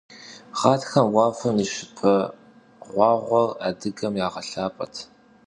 Ğatxem vuafem yi şıpe ğuağuer Adıgem yağelhap'et.